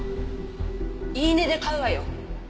言い値で買うわよ。